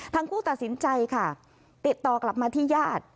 ทั้งคู่ตัดสินใจค่ะติดต่อกลับมาที่ญาติ